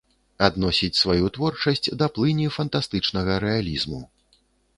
Адносіць сваю творчасць да плыні фантастычнага рэалізму.